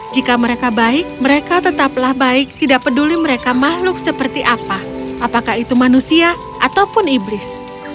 jika mereka baik mereka tetaplah baik tidak peduli mereka makhluk seperti apa apakah itu manusia ataupun iblis